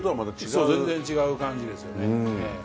そう全然違う感じですよね。